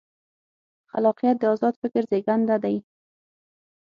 خلاقیت د ازاد فکر زېږنده دی.